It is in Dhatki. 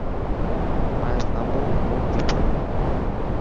مائي سامون ڪوڻ بيٺو هي.